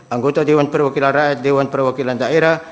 anggota dewan perwakilan rakyat dewan perwakilan daerah